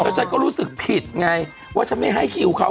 ฉันก็รู้สึกผิดไงว่าฉันไม่ให้คิวเขา